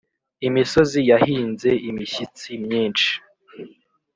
Imisozi yahinze imishyitsi myinshi